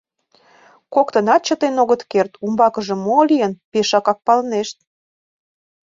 Коктынат чытен огыт керт, умбакыже мо лийын — пешакак палынешт.